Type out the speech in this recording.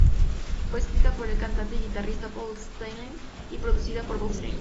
Fue escrita por el cantante y guitarrista Paul Stanley y el productor Bob Ezrin.